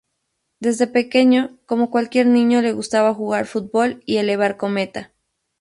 Desde pequeño, como cualquier niño, le gustaba jugar fútbol y elevar cometa.